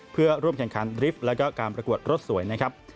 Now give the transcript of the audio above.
เพื่อร่วมแข่งขันริฟท์แล้วก็การประกวดรถสวยนะครับ